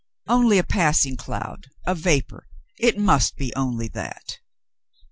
Only a passing cloud — a vapor ; it must be only that.